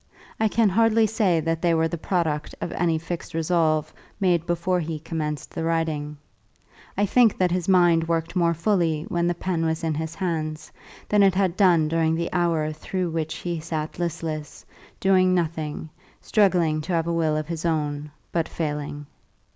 I can hardly say that they were the product of any fixed resolve made before he commenced the writing. I think that his mind worked more fully when the pen was in his hands than it had done during the hour through which he sat listless, doing nothing, struggling to have a will of his own, but failing.